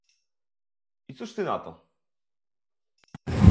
"I cóż ty na to?"